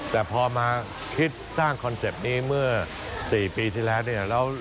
แต่พอมาคิดสร้างคอนเซ็ปต์นี้เมื่อ๔ปีที่แล้วเนี่ย